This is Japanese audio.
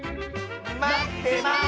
まってます！